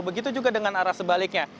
begitu juga dengan arah sebaliknya